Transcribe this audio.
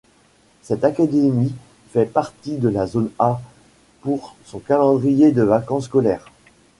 Cette académie fait partie de la zone A pour son calendrier de vacances scolaires.